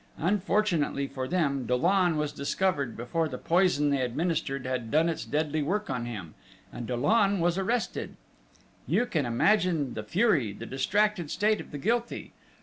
Unfortunately for them, Dollon was discovered before the poison they administered had done its deadly work on him, and Dollon was arrested.... You can imagine the fury, the distracted state of the guilty!